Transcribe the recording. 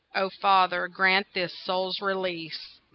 "O Father, grant this soul's release.